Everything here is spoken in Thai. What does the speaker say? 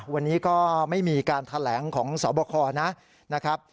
วันนี้ก็ไม่มีการแถลงของสบคนะครับ